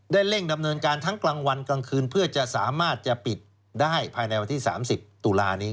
เร่งดำเนินการทั้งกลางวันกลางคืนเพื่อจะสามารถจะปิดได้ภายในวันที่๓๐ตุลานี้